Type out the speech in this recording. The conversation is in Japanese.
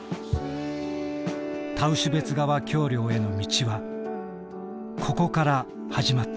タウシュベツ川橋梁への道はここから始まった。